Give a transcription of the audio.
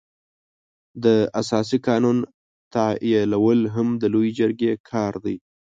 د اساسي قانون تعدیلول هم د لويې جرګې کار دی.